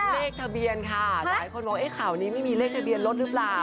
เลขทะเบียนค่ะหลายคนบอกเอ๊ะข่าวนี้ไม่มีเลขทะเบียนรถหรือเปล่า